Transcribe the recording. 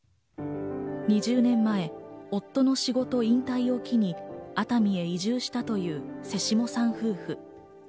２０年前、夫の仕事引退を機に、熱海へ移住したという瀬下さん夫婦。